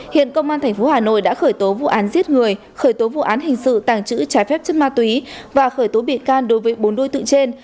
hiện công an tp hà nội đã khởi tố vụ án giết người khởi tố vụ án hình sự tàng trữ trái phép chất ma túy và khởi tố bị can đối với bốn đối tượng trên